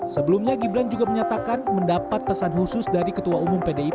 sebelumnya gibran juga menyatakan mendapat pesan khusus dari ketua umum pdip